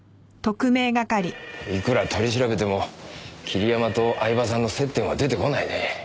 いくら取り調べても桐山と饗庭さんの接点は出てこないね。